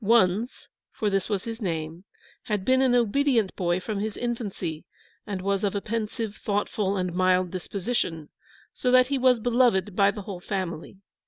Wunzh, for this was his name, had been an obedient boy from his infancy, and was of a pensive, thoughtful, and mild disposition, so that he was beloved by the whole family.